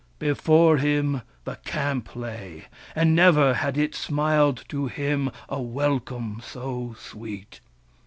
Before him the camp lay, and never had it smiled to him a welcome so sweet.